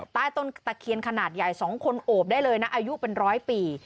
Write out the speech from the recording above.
ใต้ต้นตะเคียนขนาดใหญ่๒คนโอบได้เลยนะอายุเป็นร้อยปี